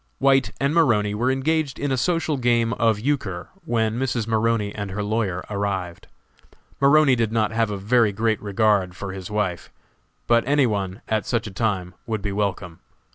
White and Maroney were engaged in a social game of euchre when Mrs. Maroney and her lawyer arrived. Maroney did not have a very great regard for his wife, but any one, at such a time, would be welcome.